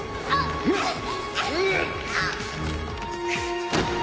うっ！